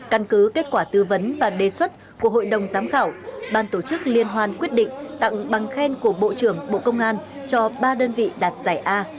căn cứ kết quả tư vấn và đề xuất của hội đồng giám khảo ban tổ chức liên hoan quyết định tặng bằng khen của bộ trưởng bộ công an cho ba đơn vị đạt giải a